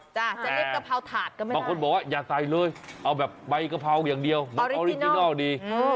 แต่บางคนบอกว่าอย่าใส่เลยเอาแบบใบกะเพราอย่างเดียวมันออริจินัลดี